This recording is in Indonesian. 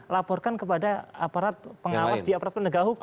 laporkan kepada aparat pengawas di aparat penegak hukum